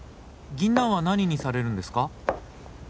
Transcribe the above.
ギンナンは何にされるんですか？